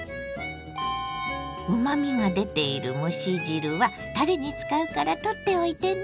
うまみが出ている蒸し汁はたれに使うから取っておいてね。